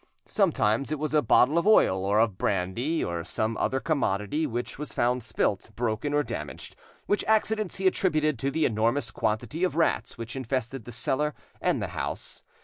Sometimes it was a bottle of oil, or of brandy, or some other commodity, which was found spilt, broken, or damaged, which accidents he attributed to the enormous quantity of rats which infested the cellar and the house.